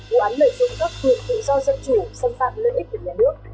vụ án lợi dụng các quyền tự do dân chủ xâm phạm lợi ích của nhà nước